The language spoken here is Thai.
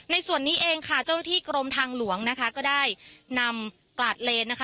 ในส่วนนี้เองค่ะเจ้าหน้าที่กรมทางหลวงนะคะก็ได้นำกลาดเลนนะคะ